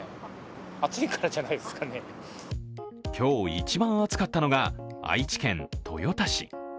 今日一番暑かったのが愛知県豊田市。